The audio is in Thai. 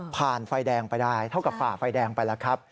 ไฟแดงไปได้เท่ากับฝ่าไฟแดงไปแล้วครับ